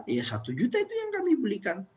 ya satu juta itu yang kami belikan